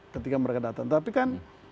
ketika mereka datang tapi kan